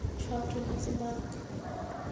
সব ঠিক আছে, বাক।